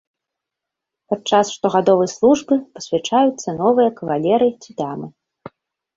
Падчас штогадовай службы пасвячаюцца новыя кавалеры ці дамы.